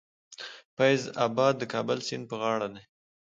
فیض اباد د کوم سیند په غاړه دی؟